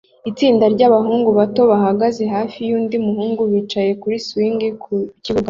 itsinda ryabahungu bato bahagaze hafi yundi muhungu bicaye kuri swing ku kibuga